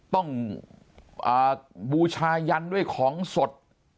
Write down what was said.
บูชายันด้วยของสด